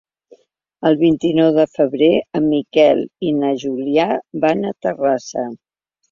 El vint-i-nou de febrer en Miquel i na Júlia van a Terrassa.